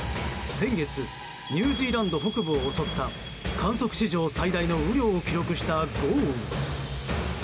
先月ニュージーランド北部を襲った観測史上最大の雨量を記録した豪雨。